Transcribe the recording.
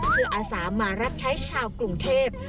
เพื่ออาสามารับใช้ชาวกรุงเทพ